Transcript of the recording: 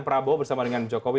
prabowo bersama dengan jokowi